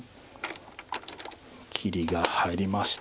切りが入りまして。